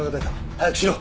早くしろ！